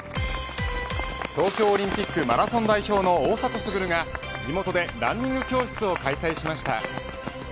東京オリンピックマラソン代表の大迫傑が地元でランニング教室を開催しました。